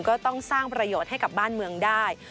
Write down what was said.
ก็ต้องสร้างประโยชน์ให้กับบ้านเมืองได้